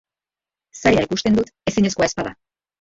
Zaila ikusten dut, ezinezkoa ez bada.